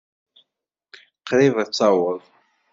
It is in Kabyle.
Qṛib ad taweḍ.